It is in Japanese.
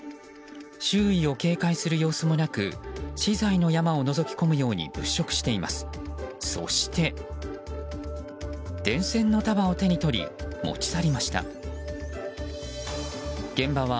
周囲を警戒する様子もなく資材の山をのぞき込むように物色しています。